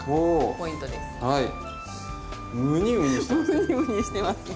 ムニムニしてますね。